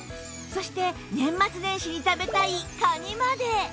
そして年末年始に食べたいカニまで！